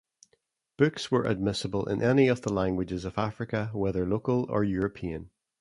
Books were admissible in any of the languages of Africa, whether local or European.